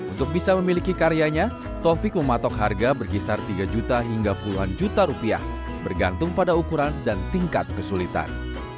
untuk bisa memiliki karyanya taufik mematok harga berkisar tiga juta hingga puluhan juta rupiah bergantung pada ukuran dan tingkat kesulitan